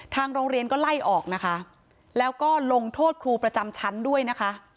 ทางโรงเรียนก็ไล่ออกนะคะแล้วก็ลงโทษครูประจำชั้นด้วยนะคะ